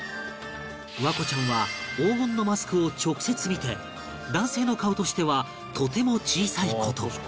環子ちゃんは黄金のマスクを直接見て男性の顔としてはとても小さい事